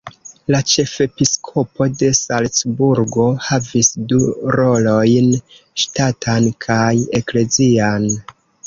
La ĉefepiskopo de Salcburgo havis du rolojn: ŝtatan kaj eklezian.